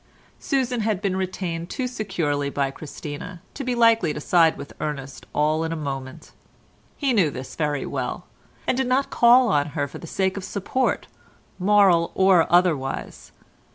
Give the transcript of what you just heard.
Susan had been retained too securely by Christina to be likely to side with Ernest all in a moment. He knew this very well, and did not call on her for the sake of support, moral or otherwise.